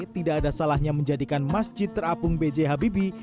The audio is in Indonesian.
tidak ada salahnya menjadikan masjid terapung bj habibie